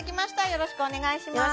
よろしくお願いします